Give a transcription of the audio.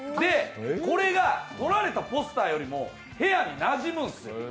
これが取られたポスターよりも部屋になじむんですよ。